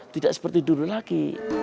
tidak seperti dulu lagi